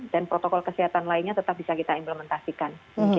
dan protokol kesehatan lainnya tetap bisa kita implementasikan